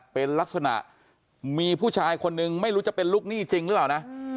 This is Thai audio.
เป็นลักษณะมีผู้ชายคนนึงไม่รู้จะเป็นลูกหนี้จริงหรือเปล่านะ